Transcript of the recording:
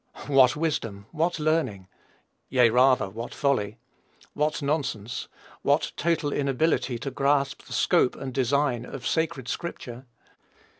What wisdom! What learning! Yea, rather, what folly! What nonsense! What total inability to grasp the scope and design of sacred scripture!